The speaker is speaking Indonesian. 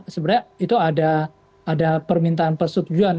sebenarnya itu ada permintaan persetujuan